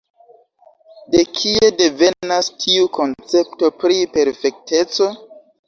De kie devenas tiu koncepto pri perfekteco?